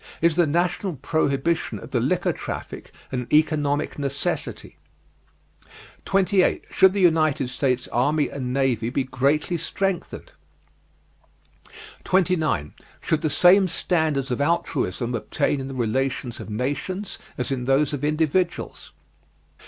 Is the national prohibition of the liquor traffic an economic necessity? 28. Should the United States army and navy be greatly strengthened? 29. Should the same standards of altruism obtain in the relations of nations as in those of individuals?